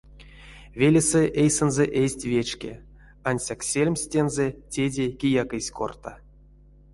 Велесэ эйсэнзэ эзть вечке, ансяк сельмс тензэ теде кияк эзь корта.